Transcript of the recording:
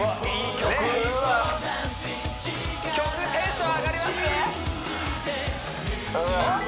曲テンション上がりますねＯＫ